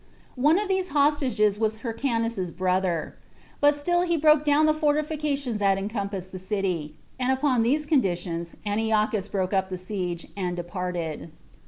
One of those hostages was Hyrcanus's brother. But still he broke down the fortifications that encompassed the city. And upon these conditions Antiochus broke up the siege, and departed.